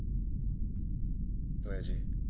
親父。